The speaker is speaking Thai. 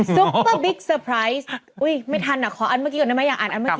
ซุปเปอร์บิ๊กเซอร์ไพรส์อุ้ยไม่ทันอ่ะขออันเมื่อกี้ก่อนได้ไหมอยากอ่านอันเมื่อก